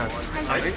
はい。